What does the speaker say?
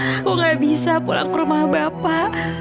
aku gak bisa pulang ke rumah bapak